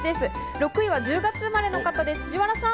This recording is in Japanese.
６位は１０月生まれの方です、藤原さん。